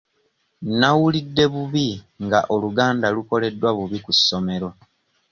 Nnawulidde bubi nga Oluganda lukoleddwa bubi ku ssomero.